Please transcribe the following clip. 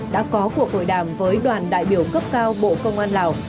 đã có cuộc hội đàm với đoàn đại biểu cấp cao bộ công an lào